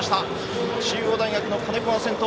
中央大学の金子先頭。